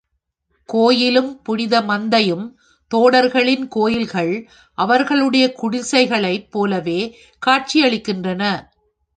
கோயிலும் புனித மந்தையும் தோடர்களின் கோயில்கள் அவர்களுடைய குடிசைகளைப் போலவே காட்சியளிக்கின்றன.